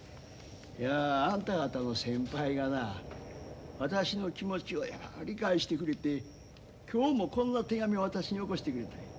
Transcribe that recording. いやあんた方の先輩がな私の気持ちをよう理解してくれて今日もこんな手紙私によこしてくれたんや。